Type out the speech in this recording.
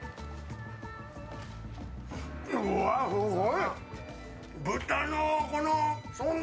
うわ、すごい！